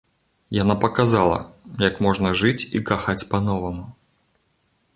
Яна паказала, як можна жыць і кахаць па-новаму.